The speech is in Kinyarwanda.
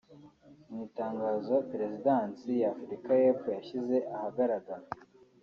Mu itangazo Perezidansi ya Afurika y’Epfo yashyize ahagaragara